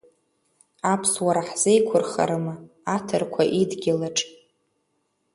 Аԥсуара ҳзеиқәырхарыма аҭырқәа идгьылаҿ?